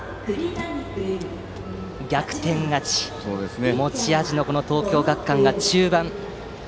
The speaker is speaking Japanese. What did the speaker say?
逆転勝ちが持ち味の東京学館新潟です。